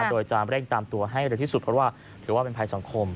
โดยจะเร่งตามตัวให้เร็วที่สุดเพราะว่าถือว่าเป็นภัยสังคม